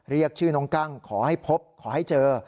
เรียกชื่อน้องกั้งขอให้พบขอให้เจอ